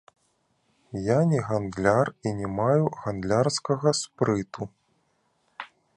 Я не гандляр і не маю гандлярскага спрыту.